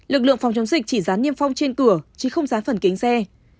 lực lượng phòng chống dịch chỉ dán niêm phong trên cửa chứ không rán phần kính xe